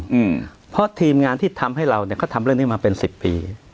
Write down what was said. อืมเพราะทีมงานที่ทำให้เราเนี้ยเขาทำเรื่องนี้มาเป็นสิบปี